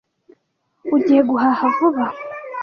Ugiye guhaha vuba?